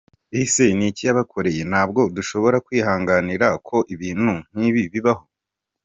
Ese n’iki yabakoreye? Ntabwo dushobora kwihanganira ko ibintu nk’ibi bibaho.